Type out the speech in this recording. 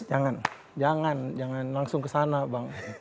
jangan jangan jangan langsung kesana bang